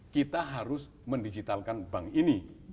kita harus mendigitalkan bank ini